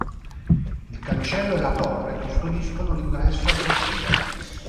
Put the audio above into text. Il cancello e la torre custodiscono l'ingresso al cortile.